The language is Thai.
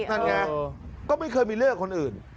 นั่นไงก็ไม่เคยมีเรื่องกับคนอื่น